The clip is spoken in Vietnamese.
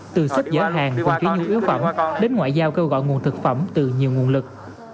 từ xếp giải hàng cùng trí nhu yếu phẩm đến ngoại giao kêu gọi nguồn thực phẩm từ nhiều nguồn lực